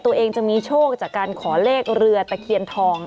ตัวเองจะมีโชคจากการขอเลขเรือตะเคียนทอง